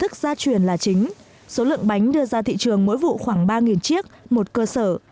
các lực lượng bánh đưa ra thị trường mỗi vụ khoảng ba chiếc một cơ sở